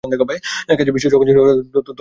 কাজেই বিশ্ব যখন ছিল না, তখন তিনিও ছিলেন না।